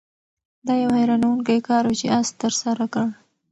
دا یو حیرانوونکی کار و چې آس ترسره کړ.